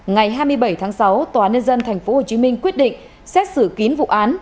ngày hai mươi bảy tháng sáu tòa nhân dân tp hcm quyết định xét xử kín vụ án